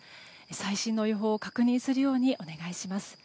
最新の予報を確認するようにお願いします。